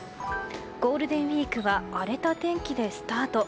ゴールデンウィークは荒れた天気でスタート。